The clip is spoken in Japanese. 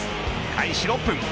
開始６分。